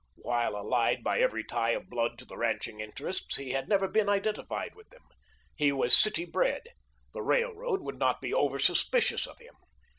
While allied by every tie of blood to the ranching interests, he had never been identified with them. He was city bred. The Railroad would not be over suspicious of him.